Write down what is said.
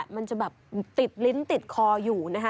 มันจะแบบติดลิ้นติดคออยู่นะคะ